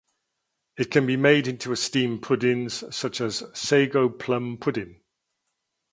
It can be made into steamed puddings such as sago plum pudding.